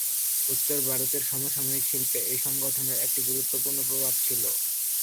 উত্তর ভারতের সমসাময়িক শিল্পে এই সংগঠনের একটি গুরুত্বপূর্ণ প্রভাব ছিল।